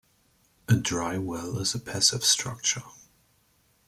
A dry well is a passive structure.